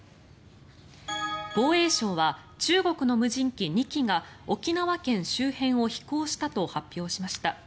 防衛相は中国の無人機２機が沖縄県周辺を飛行したと発表しました。